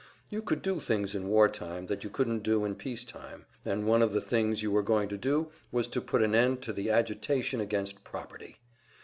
You could do things in war time that you couldn't do in peace time, and one of the things you were going to do was to put an end to the agitation against property.